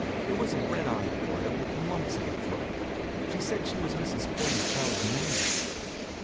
It was a red eyed girl with lumps in her throat. She said she was Mrs. Purdy Pell's maid.